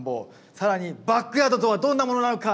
更にバックヤードとはどんなものなのか。